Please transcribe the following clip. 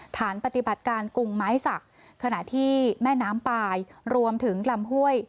ฐานปฏิบัติการกรุงไม้สักขณะที่แม่น้ำปลายรวมถึงลำห้วย